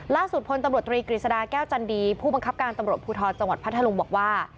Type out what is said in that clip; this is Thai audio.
พลตำรวจตรีกฤษฎาแก้วจันดีผู้บังคับการตำรวจภูทรจังหวัดพัทธลุงบอกว่า